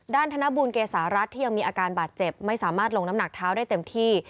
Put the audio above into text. ธนบูลเกษารัฐที่ยังมีอาการบาดเจ็บไม่สามารถลงน้ำหนักเท้าได้เต็มที่